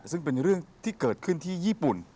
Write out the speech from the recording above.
ซึ่งเป็นเรื่องที่เกิดขึ้นที่ญี่ปุ่น